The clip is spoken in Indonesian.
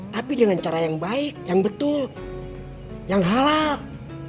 tapi dengan cara yang baik yang betul yang halal